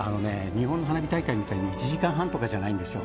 日本の花火大会みたいに１時間半みたいじゃないんですよ。